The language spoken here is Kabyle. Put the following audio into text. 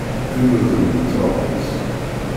Ay udem n taɣaṭ!